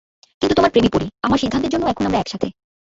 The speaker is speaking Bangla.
কিন্তু তোমার প্রেমে পড়ি, আমার সিদ্ধান্তের জন্য এখন আমরা একসাথে।